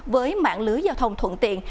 với mạng lưới giao thông thuận tiện